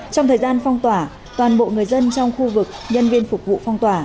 trong thời gian phong tỏa toàn bộ người dân trong khu vực nhân viên phục vụ phong tỏa